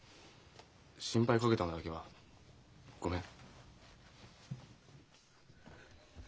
心配かけたのだけはごめん。